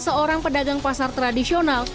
seorang pedagang pasar tradisional